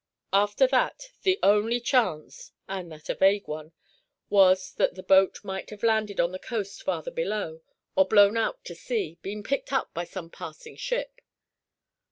After that, the only chance and that a vague one was, that the boat might have landed on the coast farther below, or, blown out to sea, been picked up by some passing ship.